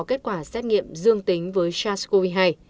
kết quả xét nghiệm dương tính với sars cov hai